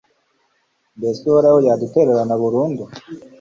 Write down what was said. mbese uhoraho yadutererana burundu